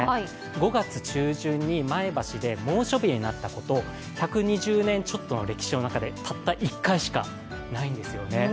５月中旬に前橋で猛暑日になったこと、１２０年ちょっとの歴史の中でたった１回しかないんですよね。